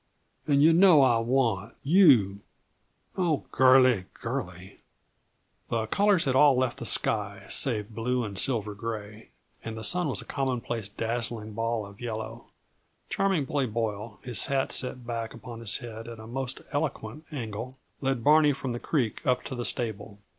And yuh know I want you. Oh, girlie, girlie!" The colors had all left the sky, save blue and silver gray, and the sun was a commonplace, dazzling ball of yellow. Charming Billy Boyle, his hat set back upon his head at a most eloquent angle, led Barney from the creek up to the stable.